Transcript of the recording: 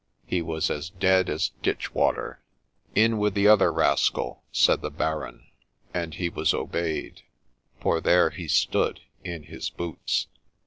He was as dead as ditch water !' In with the other rascal !' said the Baron, — and he was obeyed ; for there he stood in his boots.